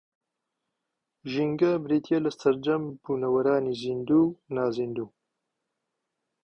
ژینگە بریتییە لە سەرجەم بوونەوەرانی زیندوو و نازیندوو